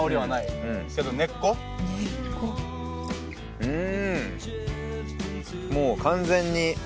うん！